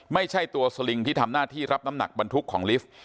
ไม่ใช่ตัวสลิงที่ทำหน้าที่รับน้ำหนักบรรทุกของลิฟต์